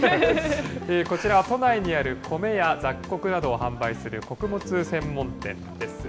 こちら、都内にある米や雑穀などを販売する穀物専門店です。